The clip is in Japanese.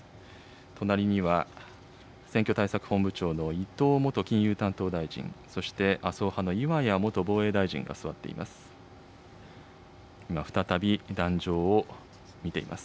隣には、選挙対策本部長のいとう元金融担当大臣、そして麻生派の岩屋元防衛大臣が座っています。